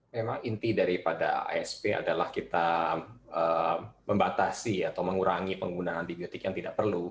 memang inti daripada asp adalah kita membatasi atau mengurangi penggunaan antibiotik yang tidak perlu